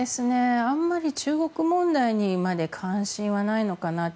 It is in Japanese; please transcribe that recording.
あまり中国問題にまで関心はないのかなって。